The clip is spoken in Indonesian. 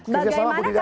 kerjasama budi dawai